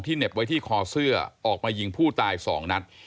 เหน็บไว้ที่คอเสื้อออกมายิงผู้ตายสองนัด